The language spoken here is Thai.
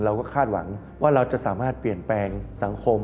เราก็คาดหวังว่าเราจะสามารถเปลี่ยนแปลงสังคม